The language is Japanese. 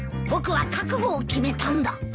僕は覚悟を決めたんだ。